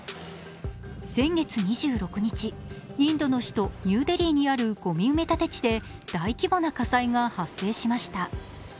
先月２６日、インドの首都ニューデリ−にあるごみ埋め立て地で大規模な火災が発生しました。